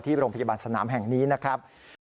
โรงพยาบาลสนามแห่งนี้นะครับ